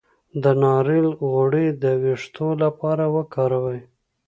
د ناریل غوړي د ویښتو لپاره وکاروئ